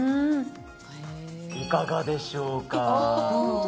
いかがでしょうか。